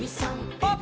パッ！